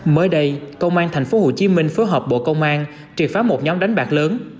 mới đây công an tp hcm phối hợp bộ công an triệt phá một nhóm đánh bạc lớn